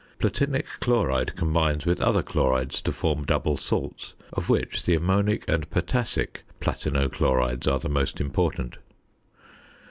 Platinic chloride combines with other chlorides to form double salts, of which the ammonic and potassic platino chlorides are the most important.